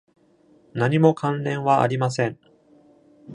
何も関連はありません。